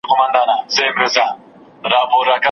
د وینا څېړل د عروض له پوهې پرته شوني نه دي.